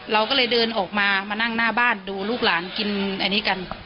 เราก็เลยเดินออกมามานั่งหน้าบ้านดูลูกหลานกินอันนี้กัน